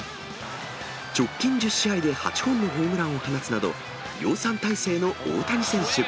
直近１０試合で８本のホームランを放つなど、量産体制の大谷選手。